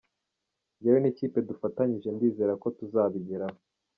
Njyewe n’ikipe dufatanyije ndizera ko tuzabigeraho.